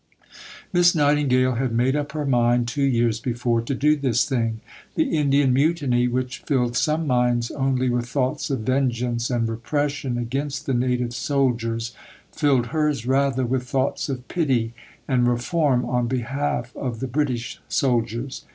Miss Nightingale had made up her mind two years before to do this thing. The Indian Mutiny, which filled some minds only with thoughts of vengeance and repression against the native soldiers, filled hers rather with thoughts of pity and reform on behalf of the British soldiers.